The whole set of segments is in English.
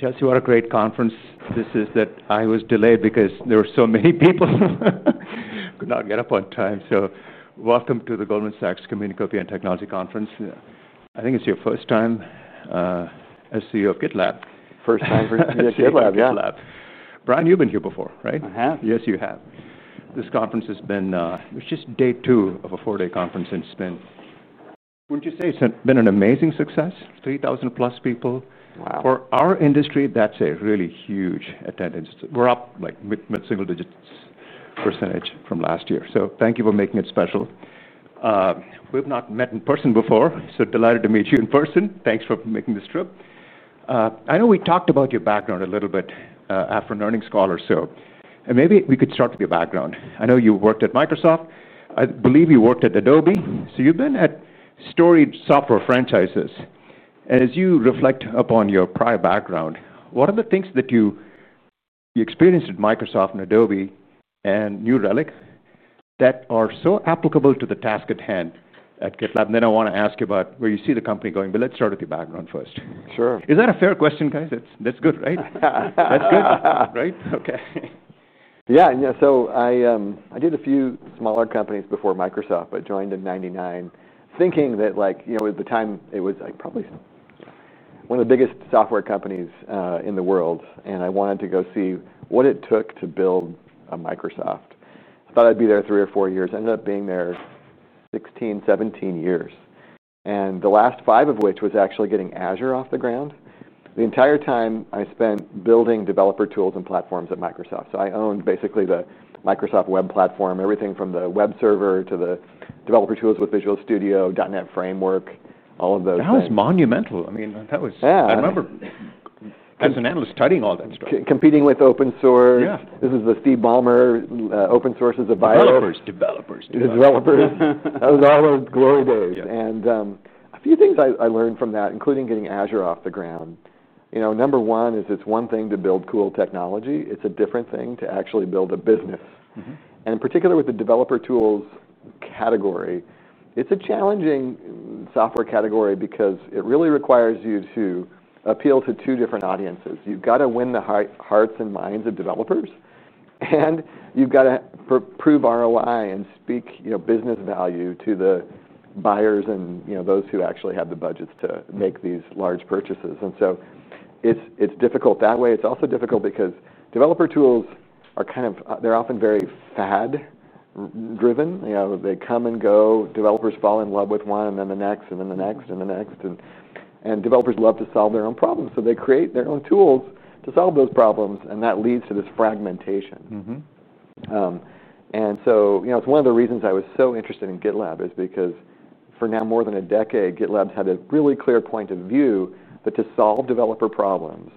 Tell us what a great conference this is that I was delayed because there were so many people. I could not get up on time. Welcome to the Goldman Sachs Communication and Technology Conference. I think it's your first time as CEO of GitLab. First time at GitLab, yeah. Brian, you've been here before, right? I have. Yes, you have. This conference has been, it's just day two of a four-day conference. Wouldn't you say it's been an amazing success? 3,000+ people. Wow. For our industry, that's a really huge attendance. We're up like mid-single-digit % from last year. Thank you for making it special. We've not met in person before, so delighted to meet you in person. Thanks for making this trip. I know we talked about your background a little bit after an earnings call, so maybe we could start with your background. I know you worked at Microsoft. I believe you worked at Adobe. You've been at storied software franchises. As you reflect upon your prior background, what are the things that you experienced at Microsoft and Adobe and New Relic that are so applicable to the task at hand at GitLab? I want to ask you about where you see the company going, but let's start with your background first. Sure. Is that a fair question, guys? That's good, right? That's good, right? Yeah, I did a few smaller companies before Microsoft. I joined in 1999 thinking that, you know, at the time it was probably one of the biggest software companies in the world, and I wanted to go see what it took to build a Microsoft. I thought I'd be there three or four years. I ended up being there 16, 17 years, and the last five of which was actually getting Azure off the ground. The entire time I spent building developer tools and platforms at Microsoft. I owned basically the Microsoft web platform, everything from the web server to the developer tools with Visual Studio, .NET framework, all of those. That was monumental. I remember as an analyst, studying all that stuff. Competing with open-source. This is the Steve Ballmer open sources of bias. Developers, developers. Developers. That was all those globals. A few things I learned from that, including getting Azure off the ground. Number one is it's one thing to build cool technology. It's a different thing to actually build a business. In particular with the developer tools category, it's a challenging software category because it really requires you to appeal to two different audiences. You've got to win the hearts and minds of developers, and you've got to prove ROI and speak business value to the buyers and those who actually have the budgets to make these large purchases. It's difficult that way. It's also difficult because developer tools are kind of, they're often very fad-driven. They come and go. Developers fall in love with one and then the next and then the next and the next. Developers love to solve their own problems. They create their own tools to solve those problems, and that leads to this fragmentation. One of the reasons I was so interested in GitLab is because for now more than a decade, GitLab's had a really clear point of view that to solve developer problems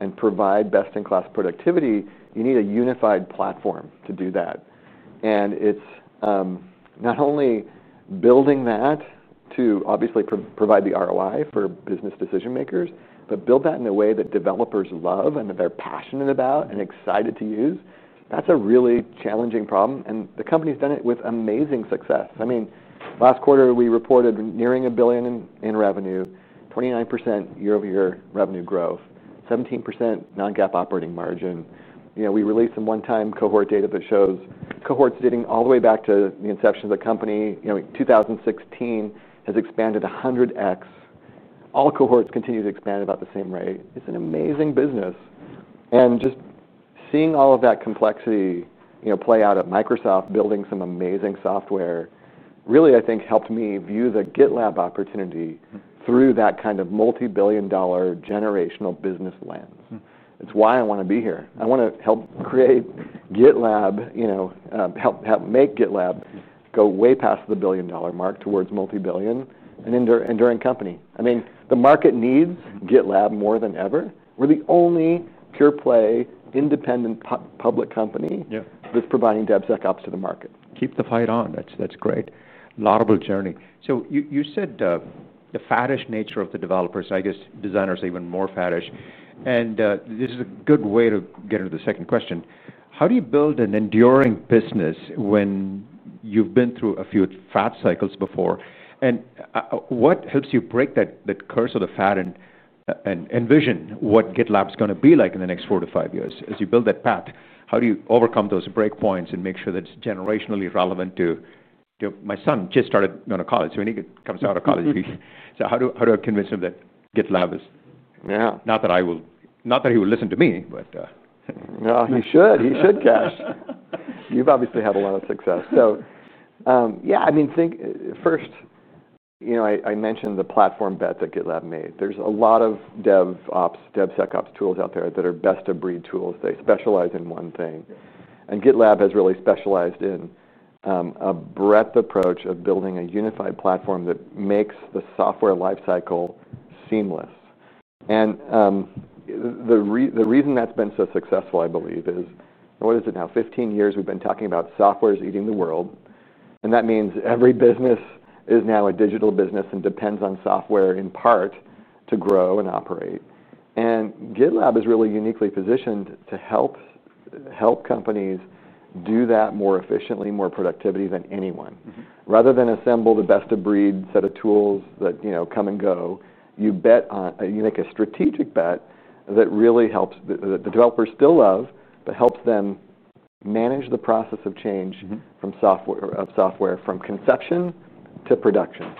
and provide best-in-class productivity, you need a unified platform to do that. It's not only building that to obviously provide the ROI for business decision makers, but build that in a way that developers love and that they're passionate about and excited to use. That's a really challenging problem. The company's done it with amazing success. Last quarter we reported nearing $1 billion in revenue, 29% year-over-year revenue growth, 17% non-GAAP operating margin. We released some one-time cohort data that shows cohorts dating all the way back to the inception of the company. 2016 has expanded 100x. All cohorts continue to expand about the same rate. It's an amazing business. Just seeing all of that complexity play out at Microsoft building some amazing software really, I think, helped me view the GitLab opportunity through that kind of multi-billion dollar generational business lens. That's why I want to be here. I want to help create GitLab, help make GitLab go way past the billion dollar mark towards multi-billion, an enduring company. The market needs GitLab more than ever. We're the only pure-play, independent public company that's providing DevSecOps to the market. Keep the fight on. That's great. Laudable journey. You said the faddish nature of the developers, I guess designers are even more faddish. This is a good way to get into the second question. How do you build an enduring business when you've been through a few fat cycles before? What helps you break that curse of the fat and envision what GitLab is going to be like in the next four to five years as you build that path? How do you overcome those break points and make sure that it's generationally relevant to my son just started going to college, so when he comes out of college, how do I convince him that GitLab is, yeah, not that I will, not that he will listen to me, but. No, he should. He should guess. You've obviously had a lot of success. Yeah, I mean, think first, I mentioned the platform bets that GitLab made. There's a lot of DevOps, DevSecOps tools out there that are best-of-breed tools. They specialize in one thing. GitLab has really specialized in a breadth approach of building a unified platform that makes the software lifecycle seamless. The reason that's been so successful, I believe, is, what is it now? 15 years we've been talking about software is eating the world. That means every business is now a digital business and depends on software in part to grow and operate. GitLab is really uniquely positioned to help companies do that more efficiently, more productively than anyone. Rather than assemble the best-of-breed set of tools that come and go, you bet on, you make a strategic bet that really helps the developers still love, but helps them manage the process of change of software from conception to production.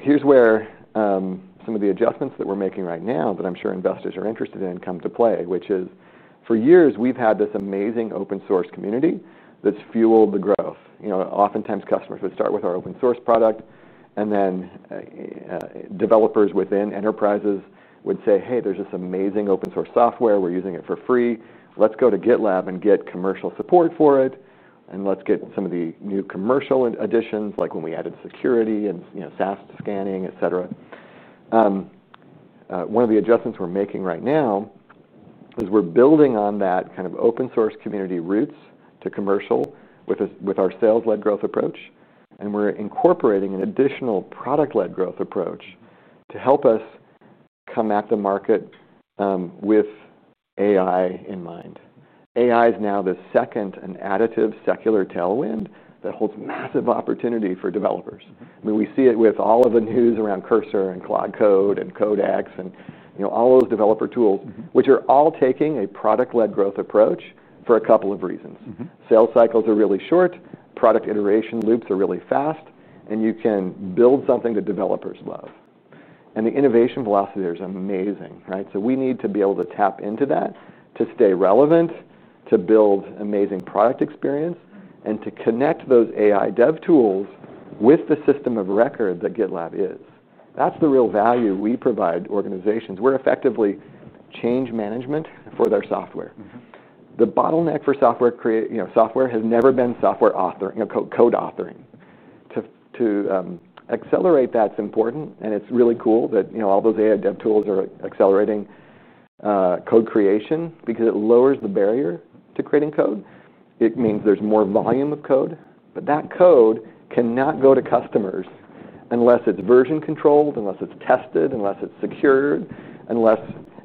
Here's where some of the adjustments that we're making right now that I'm sure investors are interested in come to play, which is for years we've had this amazing open-source community that's fueled the growth. Oftentimes customers would start with our open-source product, and then developers within enterprises would say, hey, there's this amazing open-source software, we're using it for free, let's go to GitLab and get commercial support for it, and let's get some of the new commercial additions, like when we added security and SAS scanning, et cetera. One of the adjustments we're making right now is we're building on that kind of open-source community roots to commercial with our sales-led growth approach, and we're incorporating an additional product-led growth approach to help us come at the market with AI in mind. AI is now the second and additive secular tailwind that holds massive opportunity for developers. We see it with all of the news around Cursor and Cloud Code and Codex and all those developer tools, which are all taking a product-led growth approach for a couple of reasons. Sales cycles are really short, product iteration loops are really fast, and you can build something that developers love. The innovation velocity there is amazing, right? We need to be able to tap into that to stay relevant, to build amazing product experience, and to connect those AI dev tools with the system of record that GitLab is. That's the real value we provide organizations. We're effectively change management for their software. The bottleneck for software creating, you know, software has never been software author, you know, code authoring. To accelerate that's important, and it's really cool that, you know, all those AI dev tools are accelerating code creation because it lowers the barrier to creating code. It means there's more volume of code, but that code cannot go to customers unless it's version controlled, unless it's tested, unless it's secured, unless,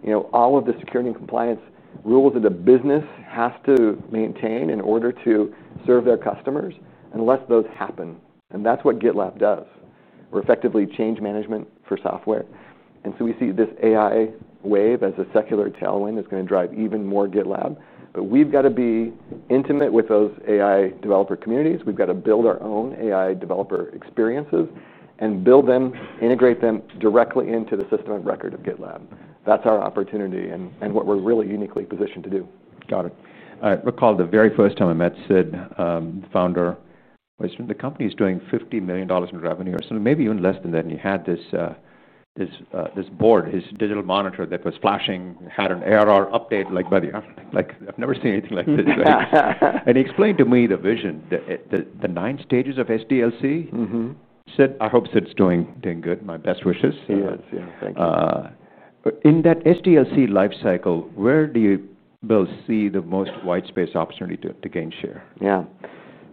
you know, all of the security and compliance rules that a business has to maintain in order to serve their customers, unless those happen. That's what GitLab does. We're effectively change management for software. We see this AI wave as a secular tailwind that's going to drive even more GitLab. We've got to be intimate with those AI developer communities. We've got to build our own AI developer experiences and build them, integrate them directly into the system of record of GitLab. That's our opportunity and what we're really uniquely positioned to do. Got it. I recall the very first time I met Sid, the founder, the company is doing $50 million in revenue or maybe even less than that. He had this board, his digital monitor that was flashing, had an ARR update like, buddy, I've never seen anything like this. He explained to me the vision, the nine stages of the software development lifecycle. Sid, I hope Sid's doing good. My best wishes. In that software development lifecycle, where do you both see the most white space opportunity to gain share? Yeah.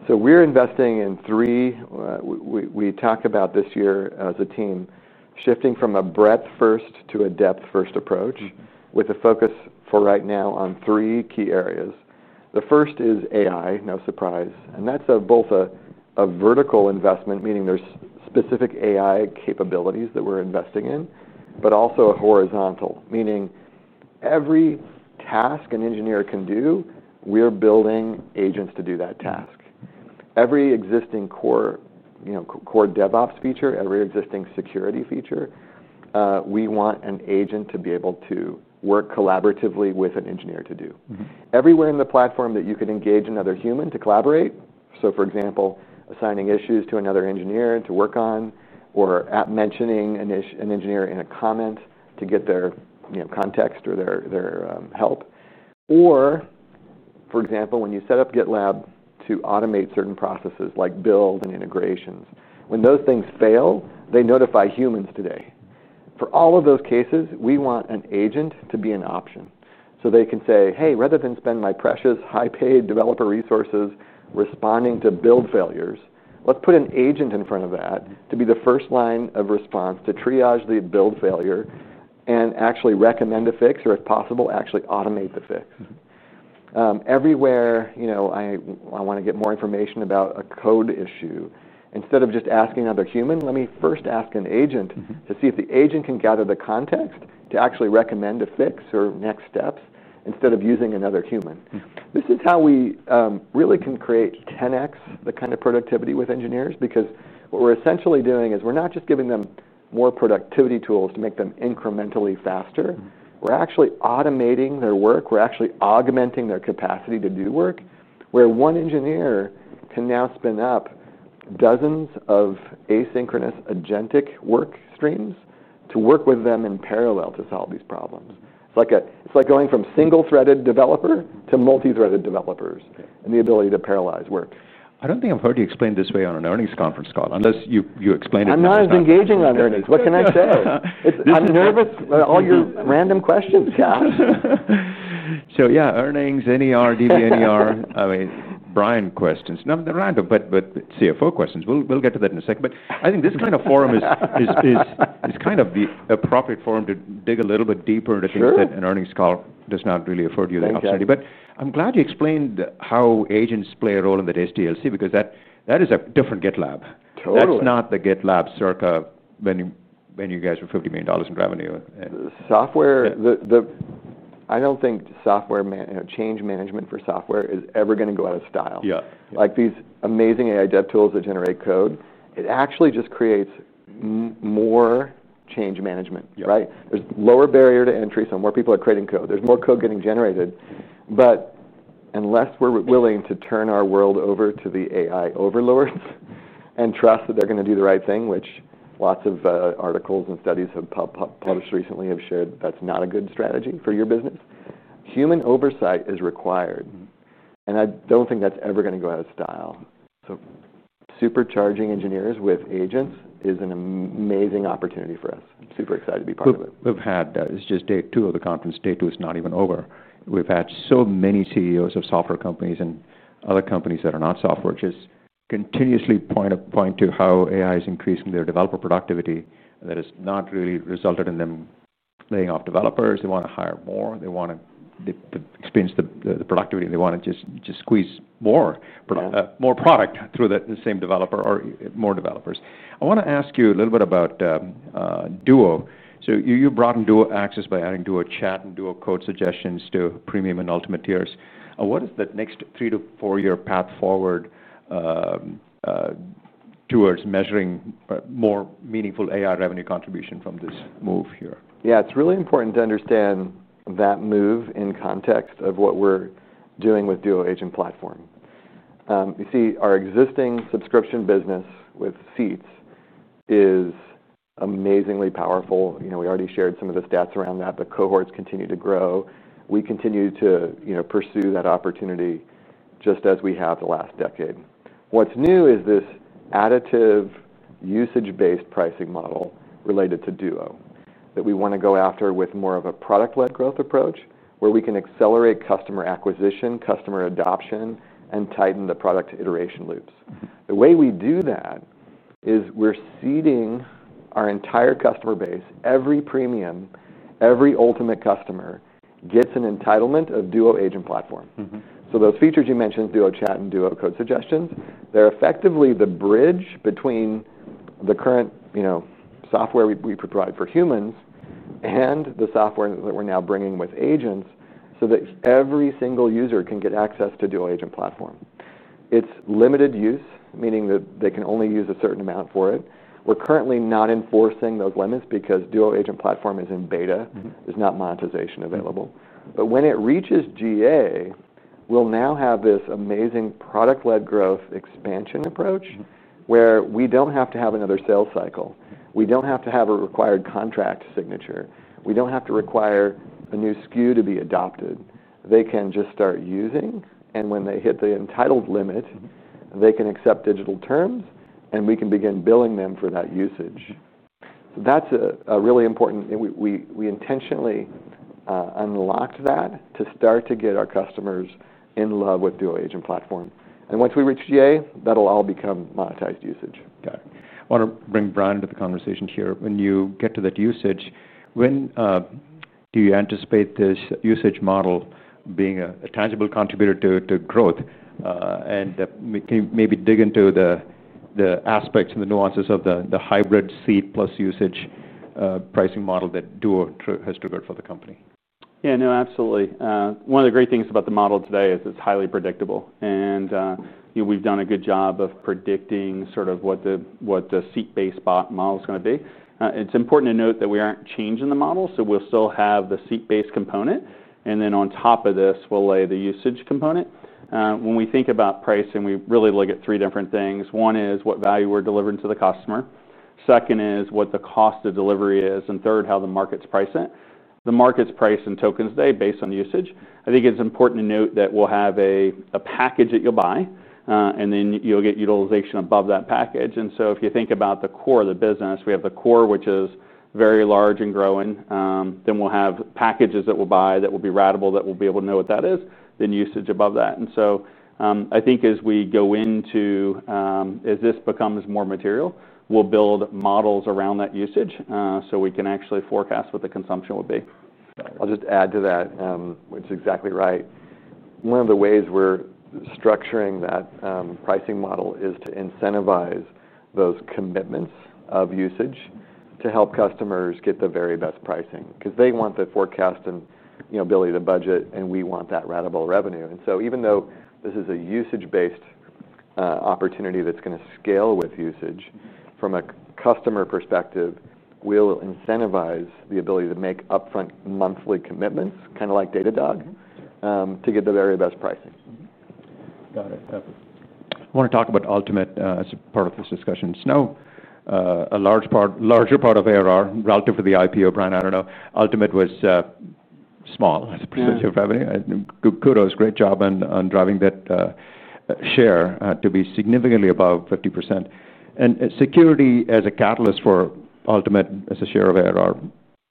We're investing in three. We talked about this year as a team shifting from a breadth-first to a depth-first approach with a focus for right now on three key areas. The first is AI, no surprise. That's both a vertical investment, meaning there's specific AI capabilities that we're investing in, but also a horizontal, meaning every task an engineer can do, we're building agents to do that task. Every existing core, you know, core DevOps feature, every existing security feature, we want an agent to be able to work collaboratively with an engineer to do. Everywhere in the platform that you can engage another human to collaborate. For example, assigning issues to another engineer to work on or mentioning an engineer in a comment to get their context or their help. For example, when you set up GitLab to automate certain processes like build and integrations, when those things fail, they notify humans today. For all of those cases, we want an agent to be an option. They can say, hey, rather than spend my precious high-paid developer resources responding to build failures, let's put an agent in front of that to be the first line of response to triage the build failure and actually recommend a fix or if possible, actually automate the fix. Everywhere, you know, I want to get more information about a code issue. Instead of just asking another human, let me first ask an agent to see if the agent can gather the context to actually recommend a fix or next steps instead of using another human. This is how we really can create 10x the kind of productivity with engineers because what we're essentially doing is we're not just giving them more productivity tools to make them incrementally faster. We're actually automating their work. We're actually augmenting their capacity to do work where one engineer can now spin up dozens of asynchronous agentic work streams to work with them in parallel to solve these problems. It's like going from single-threaded developer to multi-threaded developers and the ability to parallelize work. I don't think I've heard you explain this way on an earnings conference call unless you explain it. I'm not as engaging on earnings. What can I say? I'm nervous, all your random questions, guys. Yeah, earnings, NER, DVNER. I mean, Brian questions, not random, but CFO questions. We'll get to that in a second. I think this kind of forum is the appropriate forum to dig a little bit deeper to think that an earnings call does not really afford you the opportunity. I'm glad you explained how agents play a role in that SDLC because that is a different GitLab. Totally. That's not the GitLab circa when you guys were $50 million in revenue. Software, I don't think software change management for software is ever going to go out of style. Yeah. Like these amazing AI dev tools that generate code, it actually just creates more change management, right? There's lower barrier to entry, so more people are creating code. There's more code getting generated. Unless we're willing to turn our world over to the AI overlords and trust that they're going to do the right thing, which lots of articles and studies published recently have shared that that's not a good strategy for your business. Human oversight is required. I don't think that's ever going to go out of style. Supercharging engineers with agents is an amazing opportunity for us. I'm super excited to be part of it. It's just day two of the conference. Day two is not even over. We've had so many CEOs of software companies and other companies that are not software just continuously point to how AI is increasing their developer productivity. That has not really resulted in them laying off developers. They want to hire more. They want to expand the productivity, and they want to just squeeze more product through the same developer or more developers. I want to ask you a little bit about Duo. You brought in Duo access by adding Duo Chat and Duo Code Suggestions to Premium and Ultimate tiers. What is the next three to four-year path forward towards measuring more meaningful AI revenue contribution from this move here? Yeah, it's really important to understand that move in context of what we're doing with Duo Agent Platform. You see, our existing subscription business with Seats is amazingly powerful. We already shared some of the stats around that. The cohorts continue to grow. We continue to pursue that opportunity just as we have the last decade. What's new is this additive usage-based pricing model related to Duo that we want to go after with more of a product-led growth approach where we can accelerate customer acquisition, customer adoption, and tighten the product iteration loops. The way we do that is we're seeding our entire customer base. Every Premium, every Ultimate customer gets an entitlement of Duo Agent Platform. Those features you mentioned, Duo Chat and Duo Code Suggestions, they're effectively the bridge between the current software we provide for humans and the software that we're now bringing with agents so that every single user can get access to Duo Agent Platform. It's limited use, meaning that they can only use a certain amount for it. We're currently not enforcing those limits because Duo Agent Platform is in beta. There's not monetization available. When it reaches GA, we'll now have this amazing product-led growth expansion approach where we don't have to have another sales cycle. We don't have to have a required contract signature. We don't have to require a new SKU to be adopted. They can just start using, and when they hit the entitled limit, they can accept digital terms, and we can begin billing them for that usage. That's really important, and we intentionally unlocked that to start to get our customers in love with Duo Agent Platform. Once we reach GA, that'll all become monetized usage. Got it. I want to bring Brian Robins to the conversation here. When you get to that usage, when do you anticipate this usage model being a tangible contributor to growth? Can you maybe dig into the aspects and the nuances of the hybrid seat-plus-usage pricing model that GitLab Duo has triggered for the company? Yeah, no, absolutely. One of the great things about the model today is it's highly predictable. We've done a good job of predicting sort of what the seat-based spot model is going to be. It's important to note that we aren't changing the model. We'll still have the seat-based component, and then on top of this, we'll lay the usage component. When we think about pricing, we really look at three different things. One is what value we're delivering to the customer. Second is what the cost of delivery is. Third, how the market's pricing. The market's price in tokens today based on usage. It's important to note that we'll have a package that you'll buy, and then you'll get utilization above that package. If you think about the core of the business, we have the core, which is very large and growing. We'll have packages that we'll buy that will be ratable, that we'll be able to know what that is, then usage above that. As we go into, as this becomes more material, we'll build models around that usage so we can actually forecast what the consumption will be. I'll just add to that, which is exactly right. One of the ways we're structuring that pricing model is to incentivize those commitments of usage to help customers get the very best pricing because they want the forecast and ability to budget, and we want that ratable revenue. Even though this is a usage-based opportunity that's going to scale with usage from a customer perspective, we'll incentivize the ability to make upfront monthly commitments, kind of like DataDog, to get the very best pricing. Got it. I want to talk about Ultimate as a part of this discussion. Now, a larger part of ARR relative to the IPO, Brian, I don't know, Ultimate was small as a percentage of revenue. Kudos, great job on driving that share to be significantly above 50%. Security as a catalyst for Ultimate as a share of ARR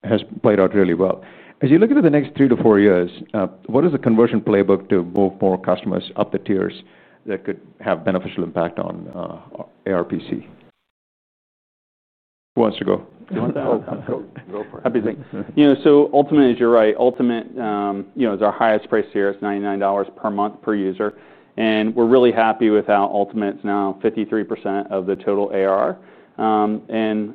has played out really well. As you look into the next three to four years, what is the conversion playbook to move more customers up the tiers that could have beneficial impact on ARPC? Who wants to go? Ultimate, as you're right, Ultimate is our highest price tier. It's $99 per month per user. We're really happy with how Ultimate is now 53% of the total ARR.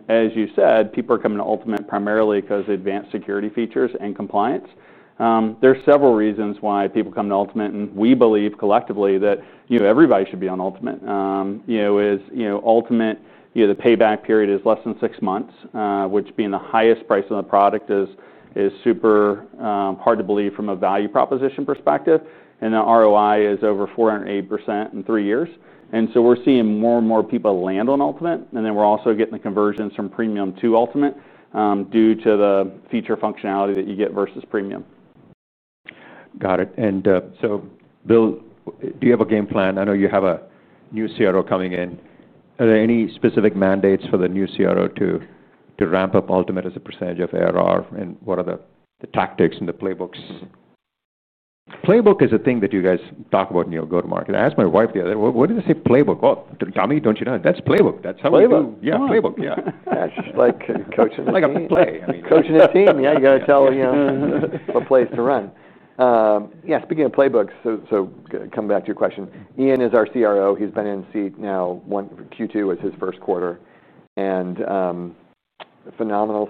As you said, people are coming to Ultimate primarily because of advanced security features and compliance. There are several reasons why people come to Ultimate, and we believe collectively that everybody should be on Ultimate. Ultimate, the payback period is less than six months, which being the highest price on the product is super hard to believe from a value proposition perspective. The ROI is over 408% in three years. We're seeing more and more people land on Ultimate. We're also getting the conversions from Premium to Ultimate due to the feature functionality that you get versus Premium. Got it. Bill, do you have a game plan? I know you have a new CRO coming in. Are there any specific mandates for the new CRO to ramp up Ultimate as a percentage of ARR? What are the tactics and the playbooks? Playbook is a thing that you guys talk about in your go-to-market. I asked my wife the other day, what does it say playbook? Oh, dummy, don't you know? That's playbook. That's how we do. Yeah, playbook. Yeah, it's like coaching a team. Like a play. Coaching a team, you got to tell, you know, what plays to run. Speaking of playbooks, coming back to your question, Ian is our CRO. He's been in seat now, Q2 is his first quarter. Phenomenal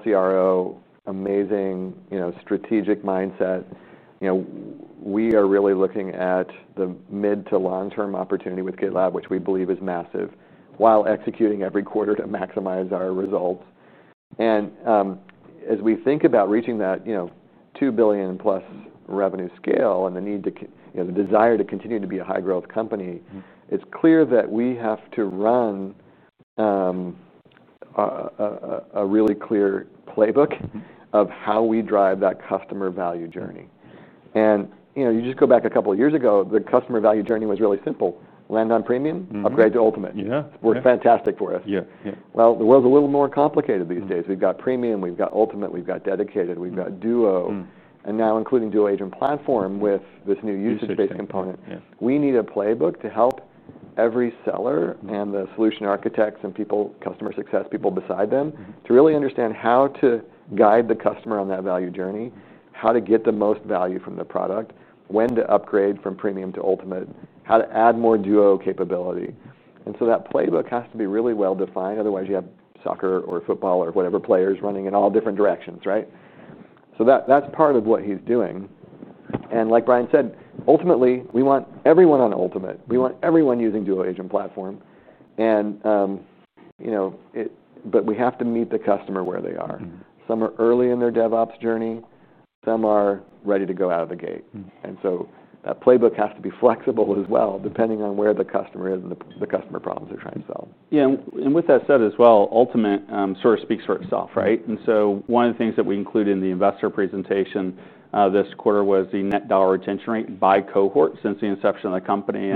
CRO, amazing, you know, strategic mindset. We are really looking at the mid to long-term opportunity with GitLab, which we believe is massive, while executing every quarter to maximize our results. As we think about reaching that $2 billion plus revenue scale and the need to, you know, the desire to continue to be a high-growth company, it's clear that we have to run a really clear playbook of how we drive that customer value journey. You just go back a couple of years ago, the customer value journey was really simple. Land on Premium, upgrade to Ultimate. Worked fantastic for us. Yeah. The world's a little more complicated these days. We've got Premium, we've got Ultimate, we've got Dedicated, we've got Duo. Now, including Duo Agent Platform with this new usage-based component, we need a playbook to help every seller and the solution architects and people, customer success people beside them, to really understand how to guide the customer on that value journey, how to get the most value from the product, when to upgrade from Premium to Ultimate, how to add more Duo capability. That playbook has to be really well defined. Otherwise, you have soccer or football or whatever players running in all different directions, right? That's part of what he's doing. Like Brian said, ultimately, we want everyone on Ultimate. We want everyone using Duo Agent Platform. You know, we have to meet the customer where they are. Some are early in their DevOps journey. Some are ready to go out of the gate. That playbook has to be flexible as well, depending on where the customer is and the customer problems they're trying to solve. Yeah. With that said as well, Ultimate sort of speaks for itself, right? One of the things that we included in the investor presentation this quarter was the net dollar retention rate by cohort since the inception of the company.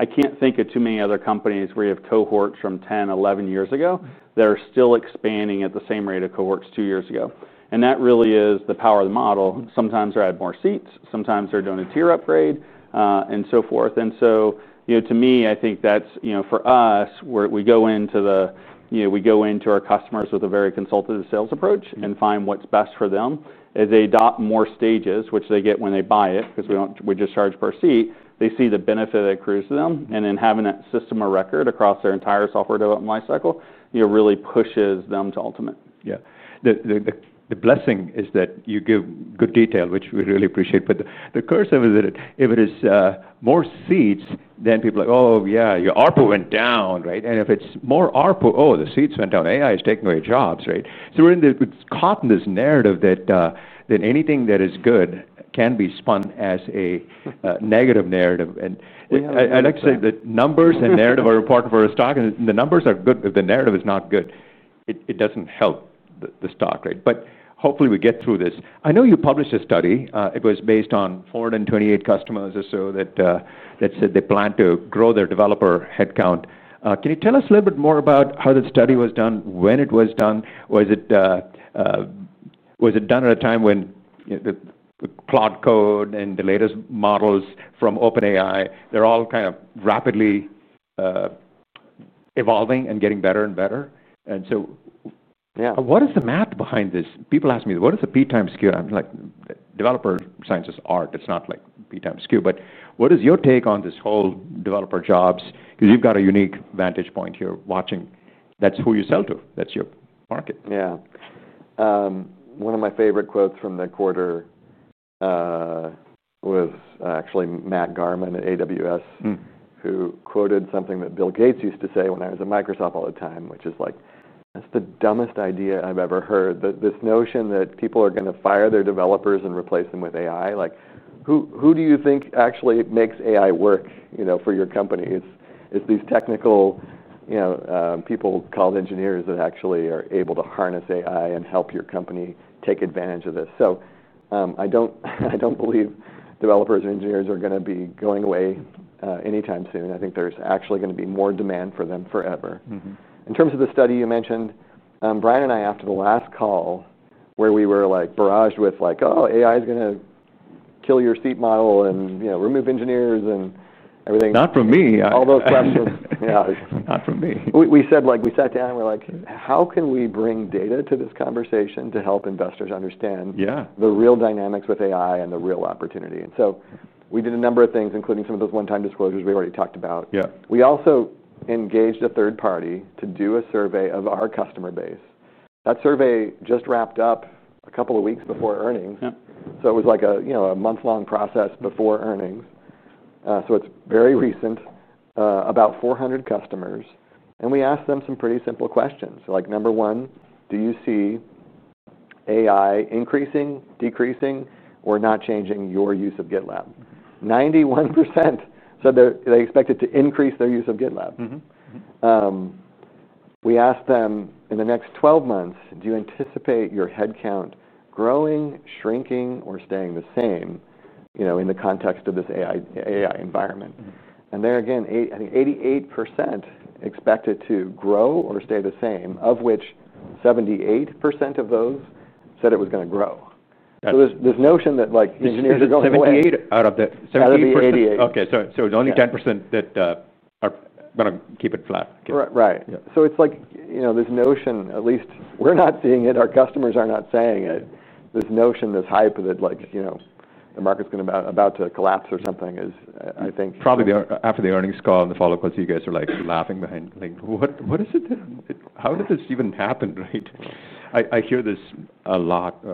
I can't think of too many other companies where you have cohorts from 10, 11 years ago that are still expanding at the same rate of cohorts two years ago. That really is the power of the model. Sometimes they're adding more seats. Sometimes they're doing a tier upgrade and so forth. To me, I think that's, you know, for us, we go into our customers with a very consultative sales approach and find what's best for them. As they adopt more stages, which they get when they buy it, because we just charge per seat, they see the benefit that it accrues to them. Having that system of record across their entire software development lifecycle really pushes them to Ultimate. Yeah. The blessing is that you give good detail, which we really appreciate. The curse of it is that if it is more seats, then people are like, oh yeah, your ARPU went down, right? If it's more ARPU, oh, the seats went down. AI is taking away jobs, right? We're in the, it's caught in this narrative that anything that is good can be spun as a negative narrative. I'd like to say that numbers and narrative are important for a stock. The numbers are good, but the narrative is not good. It doesn't help the stock, right? Hopefully we get through this. I know you published a study. It was based on 428 customers or so that said they plan to grow their developer headcount. Can you tell us a little bit more about how that study was done, when it was done? Was it done at a time when the Cloud Code and the latest models from OpenAI, they're all kind of rapidly evolving and getting better and better? What is the math behind this? People ask me, what is the P times Q? I'm like, developer science is art. It's not like P times Q. What is your take on this whole developer jobs? You've got a unique vantage point here watching. That's who you sell to. That's your market. Yeah. One of my favorite quotes from the quarter was actually Matt Garman at Amazon Web Services, who quoted something that Bill Gates used to say when I was at Microsoft all the time, which is like, that's the dumbest idea I've ever heard. This notion that people are going to fire their developers and replace them with AI. Like, who do you think actually makes AI work, you know, for your company? It's these technical, you know, people called engineers that actually are able to harness AI and help your company take advantage of this. I don't believe developers or engineers are going to be going away anytime soon. I think there's actually going to be more demand for them forever. In terms of the study you mentioned, Brian and I, after the last call where we were like barraged with like, oh, AI is going to kill your seat model and, you know, remove engineers and everything. Not from me. All those questions. Yeah, not from me. We said, like, we sat down and we're like, how can we bring data to this conversation to help investors understand the real dynamics with AI and the real opportunity? We did a number of things, including some of those one-time disclosures we already talked about. We also engaged a third party to do a survey of our customer base. That survey just wrapped up a couple of weeks before earnings. It was like a month-long process before earnings. It is very recent, about 400 customers. We asked them some pretty simple questions. Number one, do you see AI increasing, decreasing, or not changing your use of GitLab? 91% said they expected to increase their use of GitLab. We asked them, in the next 12 months, do you anticipate your headcount growing, shrinking, or staying the same, in the context of this AI environment? There again, I think 88% expected to grow or stay the same, of which 78% of those said it was going to grow. There is this notion that engineers are going away. 78% out of that. 78%. 78%. Okay, so it's only 10% that are going to keep it flat. Right. It's like, you know, this notion, at least we're not seeing it, our customers are not saying it. This notion, this hype that, you know, the market's going to about to collapse or something is, I think. Probably after the earnings call and the follow-up calls, you guys are like laughing behind, like, what is it? How did this even happen, right? I hear this a lot.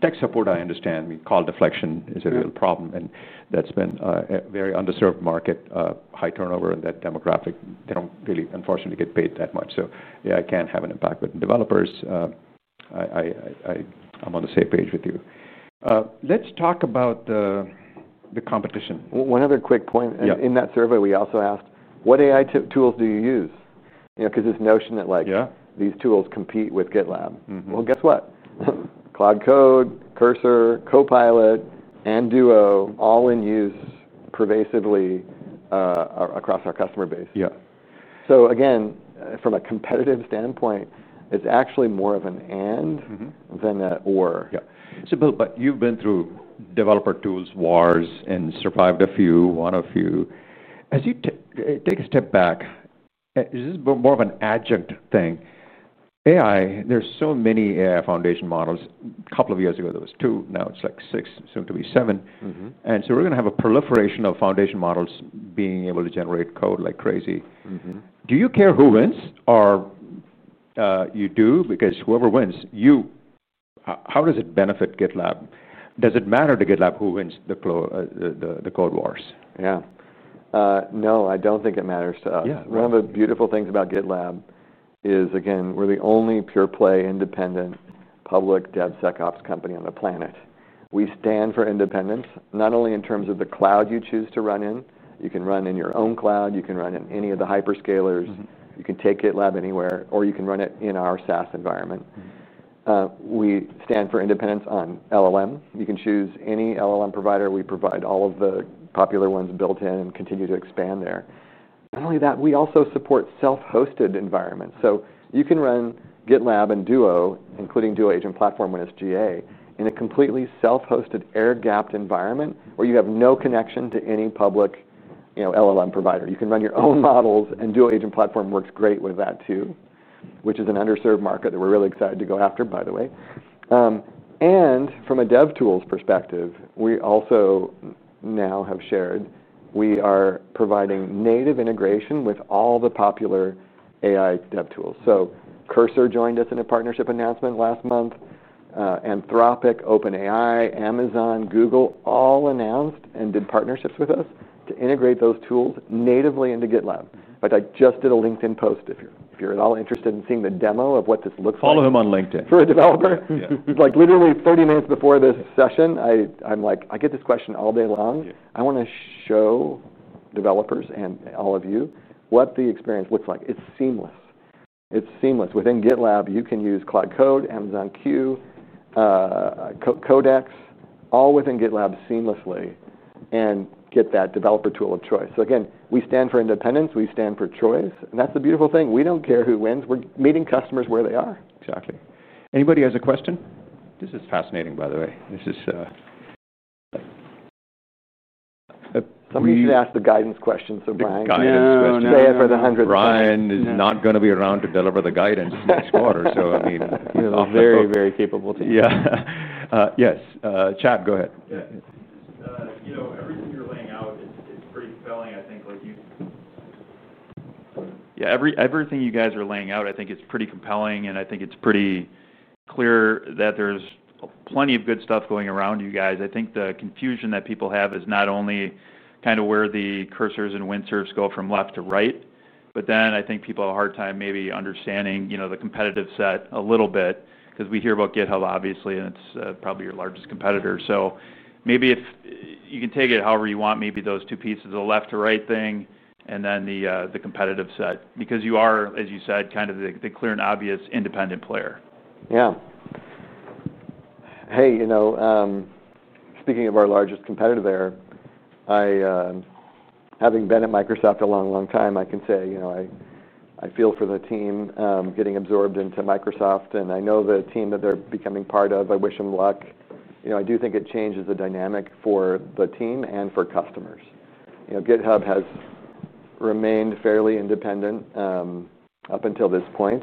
Tech support, I understand, I mean, call deflection is a real problem. That has been a very underserved market, high turnover in that demographic. They don't really, unfortunately, get paid that much. AI can have an impact. Developers, I'm on the same page with you. Let's talk about the competition. One other quick point. In that survey, we also asked, what AI tools do you use? You know, because this notion that like these tools compete with GitLab. Guess what? Cloud Code, Cursor, Copilot, and Duo all in use pervasively across our customer base. Yeah. From a competitive standpoint, it's actually more of an and than an or. Yeah. Bill, you've been through developer tools wars and survived a few, won a few. As you take a step back, this is more of an adjunct thing. AI, there's so many AI foundation models. A couple of years ago, there was two. Now it's like six, soon to be seven. We're going to have a proliferation of foundation models being able to generate code like crazy. Do you care who wins, or you do? Because whoever wins, you, how does it benefit GitLab? Does it matter to GitLab who wins the code wars? No, I don't think it matters. Yeah. One of the beautiful things about GitLab is, again, we're the only pure-play, independent, public DevSecOps company on the planet. We stand for independence, not only in terms of the cloud you choose to run in. You can run in your own cloud. You can run in any of the hyperscalers. You can take GitLab anywhere, or you can run it in our SaaS environment. We stand for independence on LLM. You can choose any LLM provider. We provide all of the popular ones built-in and continue to expand there. Not only that, we also support self-hosted environments. You can run GitLab and Duo, including Duo Agent Platform when it's GA, in a completely self-hosted, air-gapped environment where you have no connection to any public LLM provider. You can run your own models, and Duo Agent Platform works great with that too, which is an underserved market that we're really excited to go after, by the way. From a dev tools perspective, we also now have shared, we are providing native integration with all the popular AI dev tools. Cursor joined us in a partnership announcement last month. Anthropic, OpenAI, Amazon, Google all announced and did partnerships with us to integrate those tools natively into GitLab. I just did a LinkedIn post. If you're at all interested in seeing the demo of what this looks like. Follow him on LinkedIn. For a developer. Yeah. Literally 30 minutes before this session, I'm like, I get this question all day long. I want to show developers and all of you what the experience looks like. It's seamless. It's seamless. Within GitLab, you can use Cloud Code, Amazon Q, Codex, all within GitLab seamlessly and get that developer tool of choice. We stand for independence. We stand for choice. That's the beautiful thing. We don't care who wins. We're meeting customers where they are. Exactly. Anybody has a question? This is fascinating, by the way. We usually ask the guidance question. Brian, you say it for the hundredth time. Brian is not going to be around to deliver the guidance next quarter. I mean, you know, very, very capable team. Yes. Chad, go ahead. Everything you're laying out, it's pretty compelling, I think. Like, you think. Yeah, everything you guys are laying out, I think it's pretty compelling. I think it's pretty clear that there's plenty of good stuff going around you guys. I think the confusion that people have is not only kind of where the cursors and windsurfs go from left to right, but then I think people have a hard time maybe understanding, you know, the competitive set a little bit, because we hear about GitHub, obviously, and it's probably your largest competitor. Maybe if you can take it however you want, maybe those two pieces, the left to right thing, and then the competitive set, because you are, as you said, kind of the clear and obvious independent player. Yeah. Hey, you know, speaking of our largest competitor there, having been at Microsoft a long, long time, I can say I feel for the team getting absorbed into Microsoft. I know the team that they're becoming part of. I wish them luck. I do think it changes the dynamic for the team and for customers. GitHub has remained fairly independent up until this point.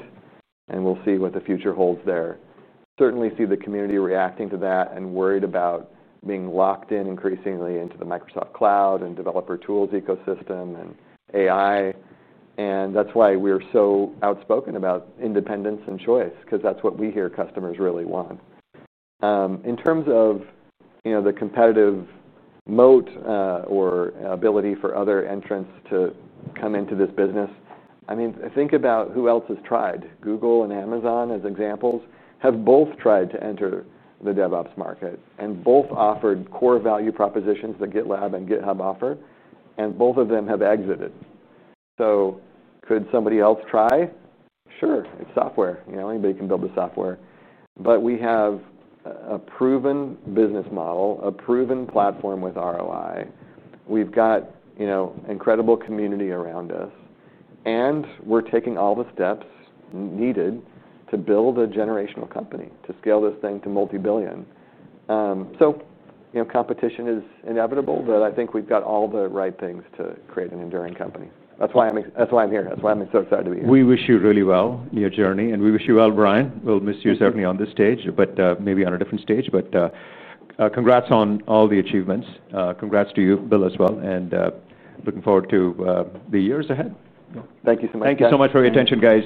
We'll see what the future holds there. Certainly see the community reacting to that and worried about being locked in increasingly into the Microsoft Cloud and developer tools ecosystem and AI. That's why we're so outspoken about independence and choice, because that's what we hear customers really want. In terms of the competitive moat or ability for other entrants to come into this business, think about who else has tried. Google and Amazon, as examples, have both tried to enter the DevOps market and both offered core value propositions that GitLab and GitHub offer. Both of them have exited. Could somebody else try? Sure. It's software. Anybody can build the software. We have a proven business model, a proven platform with ROI. We've got an incredible community around us. We're taking all the steps needed to build a generational company, to scale this thing to multi-billion. Competition is inevitable, but I think we've got all the right things to create an enduring company. That's why I'm here. That's why I'm so excited to be here. We wish you really well in your journey. We wish you well, Brian. We'll miss you certainly on this stage, maybe on a different stage. Congrats on all the achievements. Congrats to you, Bill, as well. Looking forward to the years ahead. Thank you so much. Thank you so much for your attention, guys.